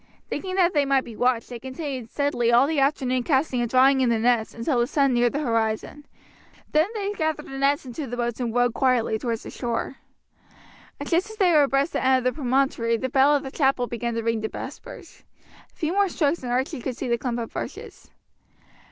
Thinking that they might be watched, they continued steadily all the afternoon casting and drawing in the nets, until the sun neared the horizon. Then they gathered the nets into the boat and rowed quietly towards the shore. Just as they were abreast the end of the promontory the bell of the chapel began to ring the vespers. A few more strokes and Archie could see the clump of bushes.